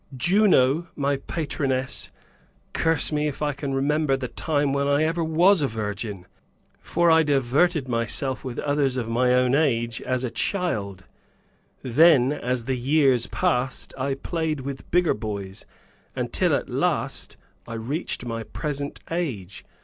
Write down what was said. Juno, my patroness, curse me if I can remember the time when I ever was a virgin, for I diverted myself with others of my own age, as a child then as the years passed, I played with bigger boys, until at last I reached my present age.